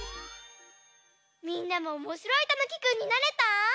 みんなもおもしろいたぬきくんになれた？